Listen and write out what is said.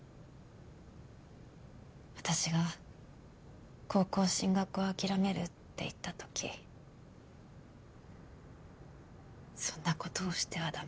私が高校進学を諦めるって言った時「そんな事をしては駄目」